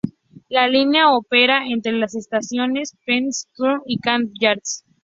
La línea opera entre las estaciones Penn Station y Camden Yards.